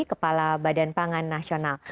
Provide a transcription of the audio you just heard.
kepala badan pangan nasional